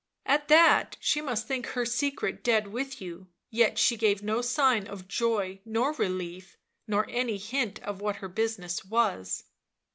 At that she must think her secret dead with you, yet she gave no sign of joy nor relief, nor any hint of what her business was."